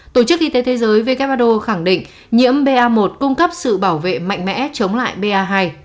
tổ chức y tế thế giới who khẳng định nhiễm pa một cung cấp sự bảo vệ mạnh mẽ chống lại ba